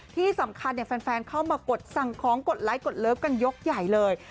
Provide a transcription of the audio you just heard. ที่สำคัญแฟนเข้ามากดสั่งของกดไลค์กดเลิฟกันยกใหญ่เลย